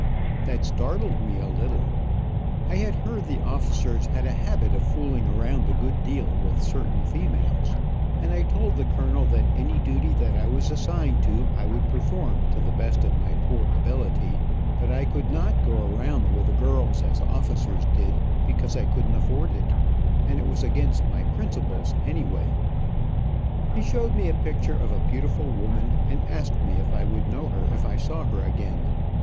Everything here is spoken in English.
That startled me a little. I had heard the officers had a habit of fooling around a good deal with certain females, and I told the colonel that any duty that I was assigned to I would perform to the best of my poor ability, but I could not go around with the girls as officers did, because I couldn't afford it, and it was against my principles, anyway. He showed me a picture of a beautiful woman, and asked me if I would know her if I saw her again.